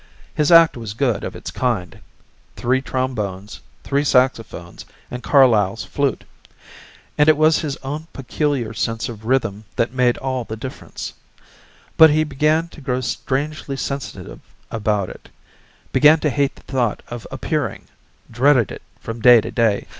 His act was good of its kind three trombones, three saxaphones, and Carlyle's flute and it was his own peculiar sense of rhythm that made all the difference; but he began to grow strangely sensitive about it, began to hate the thought of appearing, dreaded it from day to day.